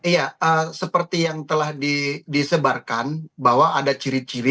ya seperti yang telah disebarkan bahwa ada ciri ciri